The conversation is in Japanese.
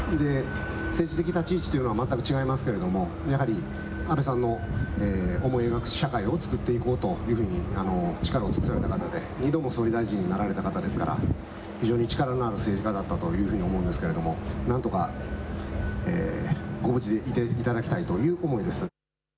政治的立ち位置というのは全く違いますけれども、やはり安倍さんの思い描く社会をつくっていこうというふうに力を尽くされた方で２度も総理大臣になられた方ですから、非常に力のある政治家だったというふうに思うんですけれども、なんとかご無事でいていただきたいという思いです。